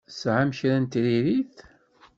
Tesɛam kra n tiririt?